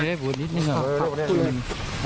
เพราะเราจะส่งเป็นการเปิดไฟ๕นักเฮ้อ